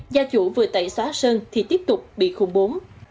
gia chủ vừa tẩy xóa sơn thì tiếp tục bị khủng bố